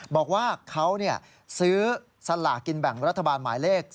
บอกว่าเขาซื้อสละกินแบ่งรัฐบาลหมายเลข๔๕๒๖๔๓ไป๑๕ใบ